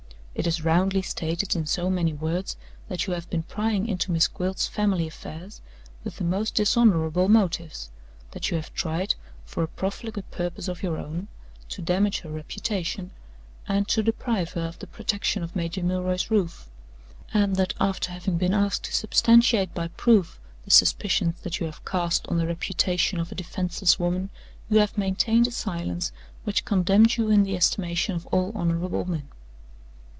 It is roundly stated in so many words that you have been prying into Miss Gwilt's family affairs, with the most dishonorable motives; that you have tried, for a profligate purpose of your own, to damage her reputation, and to deprive her of the protection of Major Milroy's roof; and that, after having been asked to substantiate by proof the suspicions that you have cast on the reputation of a defenseless woman, you have maintained a silence which condemns you in the estimation of all honorable men.